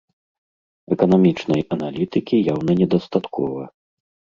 Эканамічнай аналітыкі яўна недастаткова.